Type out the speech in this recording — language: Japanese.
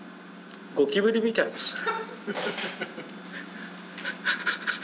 ゴキブリみたいですね。